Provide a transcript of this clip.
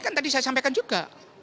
kan tadi saya sampaikan juga